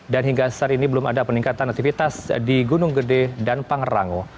dan hingga saat ini belum ada peningkatan aktivitas di gunung kede dan pangerang